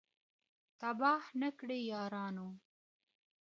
تباه نه کړی یارانو